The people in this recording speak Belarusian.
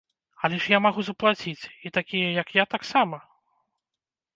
Але я ж магу заплаціць, і такія, як я, таксама.